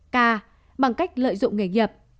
k bằng cách lợi dụng nghề nghiệp